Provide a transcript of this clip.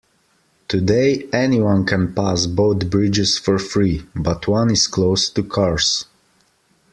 Today, anyone can pass both bridges for free, but one is closed to cars.